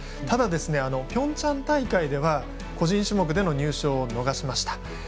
ただ、ピョンチャン大会では個人種目での入賞を逃しました。